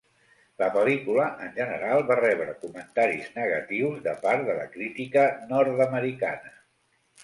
La pel·lícula, en general, va rebre comentaris negatius de part de la crítica nord-americana.